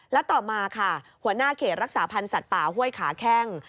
และต่อมาค่ะหัวหน้าเขตรักษาพันธ์สัตว์ป่าห้วยขาแข้ง